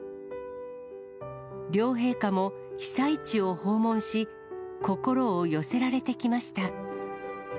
両陛下も被災地を訪問し、心を寄せられてきました。